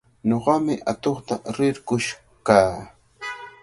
Ñuqami atuqta rirqush kaa.